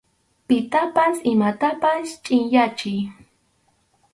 Pitapas imatapas chʼinyachiy.